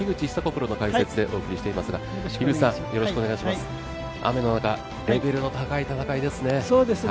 プロの解説でお送りしていますが、雨の中、レベルの高い戦いですね。